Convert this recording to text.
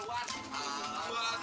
tak ada jajan